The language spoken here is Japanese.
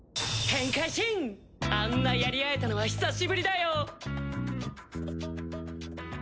あんなやり合えたのは久しぶりだよ。